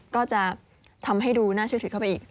ก็จะทำให้ดูน่าเชื่อถือเข้าไปอีก